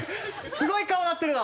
すごい顔になってるぞ。